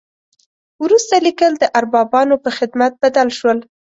وروسته لیکل د اربابانو په خدمت بدل شول.